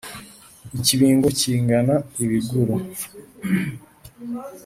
i kibingo kigana i buguru